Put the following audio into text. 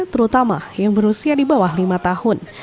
terutama yang berusia di bawah lima tahun